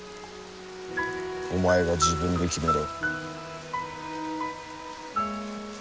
お前が自分で決めろ。